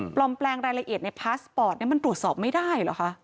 ปลอมแปลงรายละเอียดในพาสปอร์ตมันตรวจสอบไม่ได้เหรอคะ